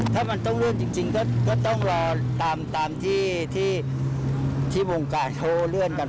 ถ้ามันต้องเลื่อนจริงก็ต้องรอตามที่วงการเขาเลื่อนกัน